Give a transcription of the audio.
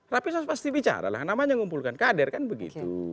rapisos pasti bicara lah namanya ngumpulkan kader kan begitu